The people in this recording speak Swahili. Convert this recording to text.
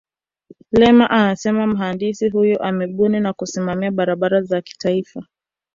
lema amesema mhandisi huyo amebuni na kusimamia barabara za kitaifa